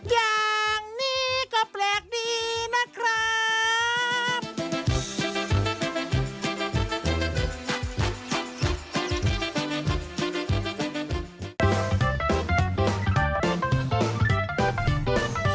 อย่างนี้ก็แปลกดีนะครับ